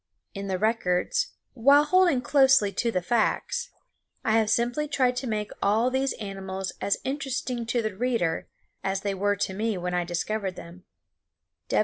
In the records, while holding closely to the facts, I have simply tried to make all these animals as interesting to the reader as they were to me when I discovered them.